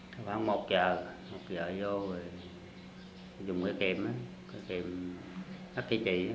khoảng một giờ một giờ vô rồi dùng cái kèm cái kèm khách ký trị